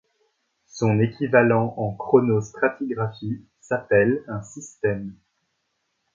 Son équivalent en chronostratigraphie s'appelle un système.